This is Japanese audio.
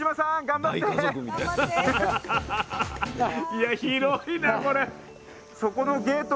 いや広いなこれ。